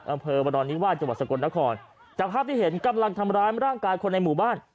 อำเภอบรนิวาสจังหวัดสกลนครจากภาพที่เห็นกำลังทำร้ายร่างกายคนในหมู่บ้าน